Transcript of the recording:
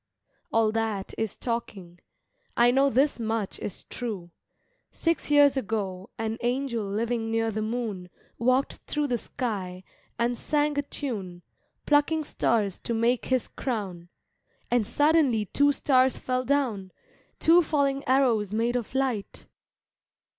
... All that is talking I know This much is true, six years ago An angel living near the moon Walked thru the sky and sang a tune Plucking stars to make his crown And suddenly two stars fell down, Two falling arrows made of light.